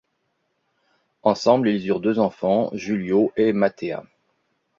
Ensemble, ils eurent deux enfants, Julio et Mathéa.